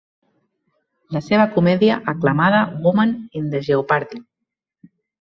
La seva comèdia aclamada, Women in Jeopardy!